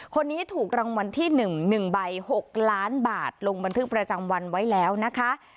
คนนี้ถูกรางวัลที่๑๑ใบ๖ล้านบาทลงบันทึกประจำวันไว้แล้วนะคะ